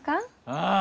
ああ。